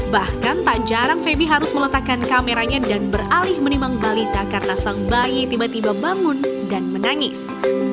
bahkan tak jarang febi harus meletakkan kameranya dan beralih menimang balita karena sang bayi tiba tiba bangun dan menangis